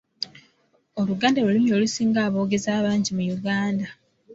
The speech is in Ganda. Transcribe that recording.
Oluganda lwe lulimi olusinga aboogezi abangi mu Uganda.